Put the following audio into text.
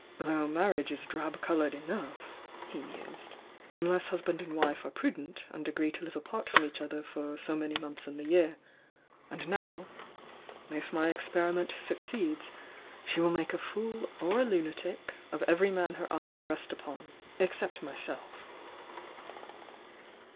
"Though marriage is drab coloured enough!" he mused — "Unless husband and wife are prudent, and agree to live apart from each other for so many months in the year. And now — if my experiment succeeds she will make a fool or a lunatic of every man her eyes rest upon — except myself!"